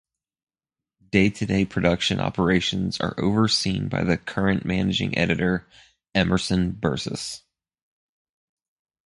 Day-to-day production operations are overseen by the current managing editor, Emerson Bursis.